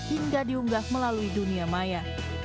hingga diunggah melalui dunia maya